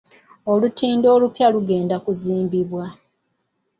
Olutindo olupya lugenda kuzimbibwa.